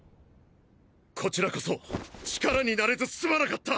こちらこそ力になれずすまなかった！